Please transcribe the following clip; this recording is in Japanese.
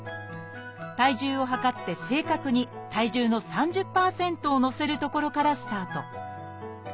体重を量って正確に体重の３０％をのせるところからスタート